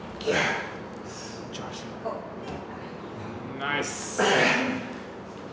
ナイス。